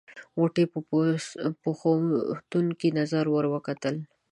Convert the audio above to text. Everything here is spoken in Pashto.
غوټۍ په پوښتونکې نظر ور وکتل.